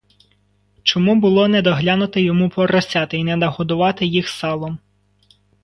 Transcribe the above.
Чому було не доглянути йому поросяти й не нагодувати їх салом?